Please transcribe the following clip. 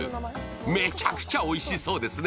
めちゃくちゃおいしそうですね。